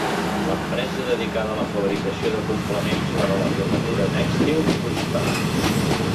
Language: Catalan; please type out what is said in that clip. L'empresa dedicada a la fabricació de complements per a la filatura tèxtil prosperà.